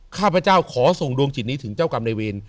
ข้าพเจ้าขอส่งดวงจิตนี้ถึงเจ้ากรรมในเวร